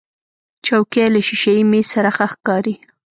چوکۍ له شیشهيي میز سره ښه ښکاري.